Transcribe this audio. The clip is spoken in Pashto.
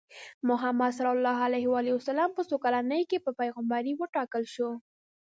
محمد ص په څو کلنۍ کې په پیغمبرۍ وټاکل شو؟